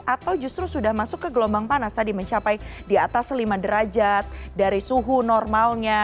atau justru sudah masuk ke gelombang panas tadi mencapai di atas lima derajat dari suhu normalnya